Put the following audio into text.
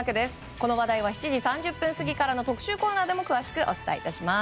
この話題は７時３０分過ぎからの特集コーナーでも詳しくお伝えします。